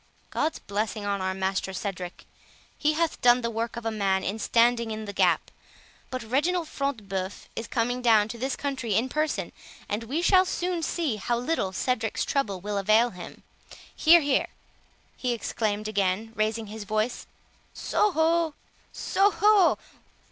God's blessing on our master Cedric, he hath done the work of a man in standing in the gap; but Reginald Front de Bœuf is coming down to this country in person, and we shall soon see how little Cedric's trouble will avail him.—Here, here," he exclaimed again, raising his voice, "So ho! so ho!